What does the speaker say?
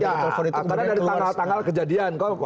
karena dari tanggal tanggal kejadian